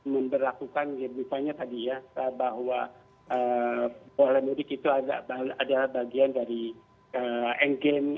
memperlakukan yang misalnya tadi ya bahwa pola mudik itu adalah bagian dari endgame